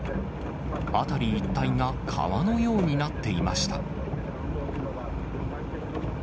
辺り一帯が川のようになっていました。